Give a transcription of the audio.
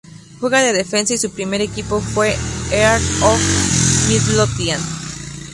Juega de defensa y su primer equipo fue Heart of Midlothian.